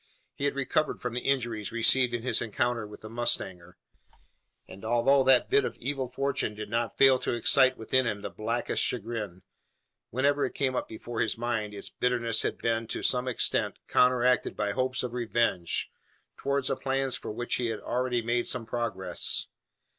He had recovered from the injuries received in his encounter with the mustanger; and although that bit of evil fortune did not fail to excite within him the blackest chagrin, whenever it came up before his mind, its bitterness had been, to some extent, counteracted by hopes of revenge towards a plan for which he had already made some progress.